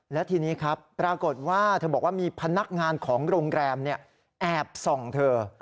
และทีนี้ครับปรากฏว่าเธอบอกว่ามีพนักงานของโรงแรมแอบส่องเธอ